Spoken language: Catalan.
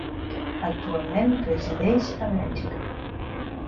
Actualment resideix a Bèlgica.